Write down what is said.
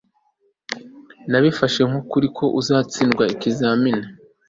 Nabifashe nkukuri ko azatsinda ikizamini